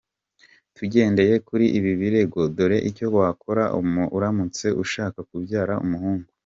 Tugendeye kuri ibi rero, dore icyo wakora uramutse ushaka kubyara umuhungu:.